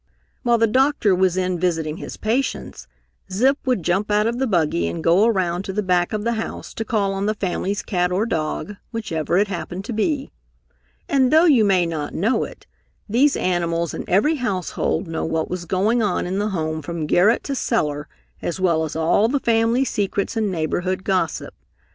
While the doctor was in visiting his patients, Zip would jump out of the buggy and go around to the back of the house to call on the family's cat or dog, whichever it happened to be. And though you may not know it, these animals in every household know what is going on in the home from garret to cellar, as well as all the family secrets and neighborhood gossip.